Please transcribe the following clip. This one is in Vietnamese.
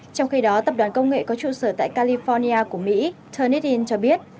trong khi đó tập đoàn công nghệ có trụ sở tại california của mỹ telegin cho biết